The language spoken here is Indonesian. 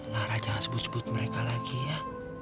lara jangan sebut sebut mereka lagi ya